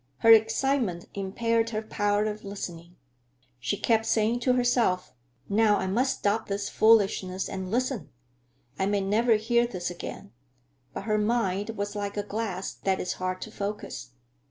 Her excitement impaired her power of listening. She kept saying to herself, "Now I must stop this foolishness and listen; I may never hear this again"; but her mind was like a glass that is hard to focus.